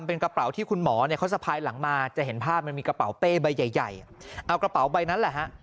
เป็นกระเป๋าที่คุณหมอเนี่ยเขาสะพายหลังมาจะเห็นภาพมันมีกระเป๋าเป้ใบใหญ่เอากระเป๋าใบนั้นแหละฮะ